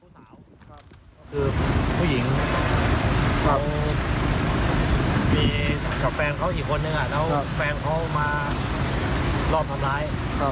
ก็คือผู้หญิงเขามีกับแฟนเขาอีกคนนึงแล้วแฟนเขามารอบทำร้าย